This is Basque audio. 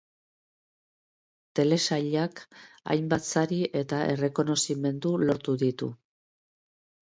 Telesailak hainbat sari eta errekonozimendu lortu ditu.